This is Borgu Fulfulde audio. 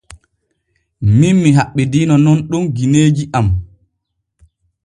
Min mi haɓɓidiino nun ɗum gineeji am.